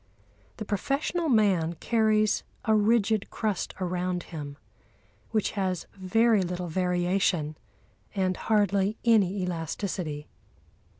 The professional man carries a rigid crust around him which has very little variation and hardly any elasticity.